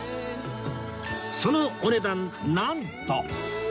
そのお値段なんと